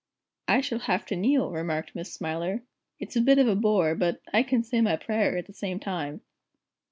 "I shall have to kneel," remarked Miss Smiler. "It's a bit of a bore, but I can say my prayer at the same time."